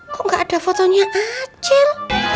kok nggak ada fotonya acil